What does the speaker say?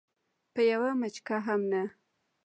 په یوه مچکه هم نه.